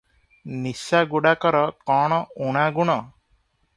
ନିଶାଗୁଡ଼ାକର କ’ଣ ଊଣା ଗୁଣ?